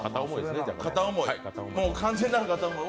片思い、もう完全な片思い。